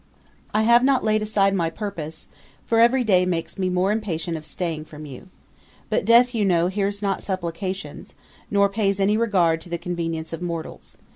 'I have not laid aside my purpose; for every day makes me more impatient of staying from you. But death, you know, hears not supplications, nor pays any regard to the convenience of mortals.